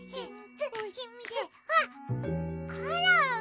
あっコロン。